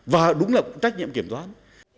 và đúng là trách nhiệm kiểm toán